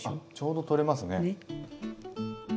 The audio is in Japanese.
あっちょうど取れますね。